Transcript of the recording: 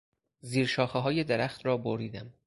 زیر شاخههای درخت را بریدم.